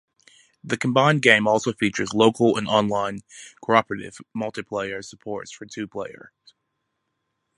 The combined game also features local and online cooperative multiplayer support for two players.